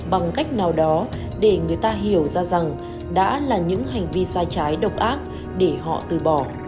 bằng cách nào đó để người ta hiểu ra rằng đã là những hành vi sai trái độc ác để họ từ bỏ